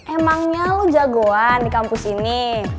emangnya lu jagoan di kampus ini